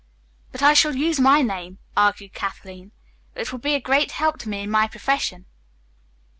"But I shall use my name," argued Kathleen. "It will be a great help to me in my profession."